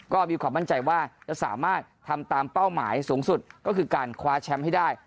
ก็มีความมั่นใจว่าจะสามารถทำตามเป้าหมายสูงสุดก็คือการคว้าแชมป์ให้ได้